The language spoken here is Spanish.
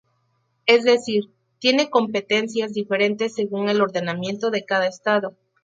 Es decir, tiene competencias diferentes según el ordenamiento de cada Estado.